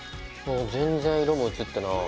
全然色も移ってない。